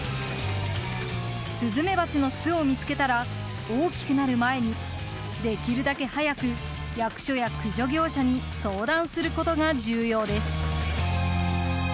スズメバチの巣を見つけたら大きくなる前にできるだけ早く役所や駆除業者に相談することが重要です。